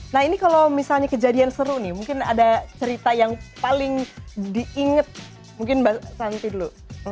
nah ini kalau misalnya kejadian seru nih mungkin ada cerita yang paling diinget mungkin mbak santi dulu